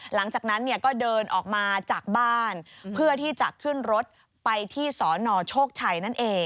หลังจากนั้นก็เดินออกมาจากบ้านเพื่อที่จะขึ้นรถไปที่สนโชคชัยนั่นเอง